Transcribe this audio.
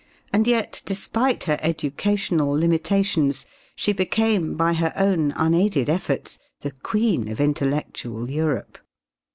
And yet, despite her educational limitations, she became, by her own unaided efforts, the queen of intellectual Europe.